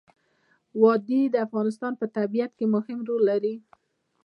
وادي د افغانستان په طبیعت کې مهم رول لري.